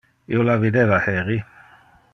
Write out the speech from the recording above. Io la videva heri.